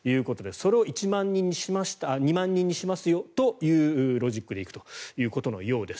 それを２万人にしますよというロジックで行くということのようです。